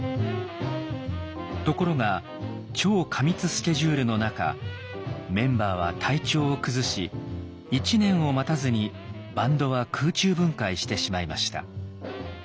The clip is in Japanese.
ところが超過密スケジュールの中メンバーは体調を崩し１年を待たずにバンドは空中分解してしまいました。